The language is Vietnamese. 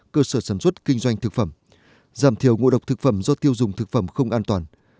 cơ sở sản xuất kinh doanh thực phẩm giảm thiểu ngộ độc thực phẩm do tiêu dùng thực phẩm không an toàn